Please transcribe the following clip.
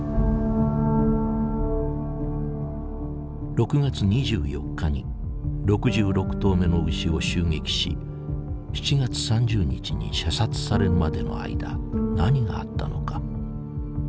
６月２４日に６６頭目の牛を襲撃し７月３０日に射殺されるまでの間何があったのか。